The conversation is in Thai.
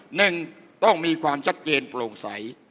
หนึ่งต้องมีความชัดเจนโปร่งใส